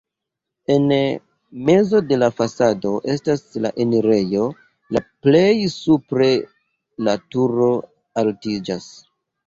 En mezo de la fasado estas la enirejo, la plej supre la turo altiĝas.